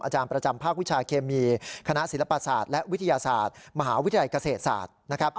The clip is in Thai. อาจารย์ประจำภาควิชาเคมีคณะศิลปศาสตร์และวิทยาศาสตร์มหาวิทยาลัยเกษตรศาสตร์นะครับ